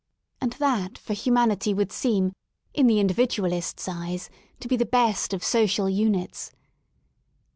And that for humanity would seem, in the Individualist's eyes, to be the best of social units.